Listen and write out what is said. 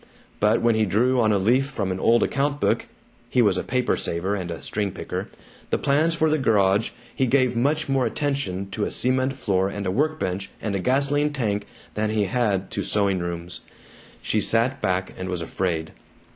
But when he drew on a leaf from an old account book (he was a paper saver and a string picker) the plans for the garage, he gave much more attention to a cement floor and a work bench and a gasoline tank than he had to sewing rooms. She sat back and was afraid.